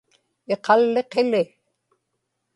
iqalliqili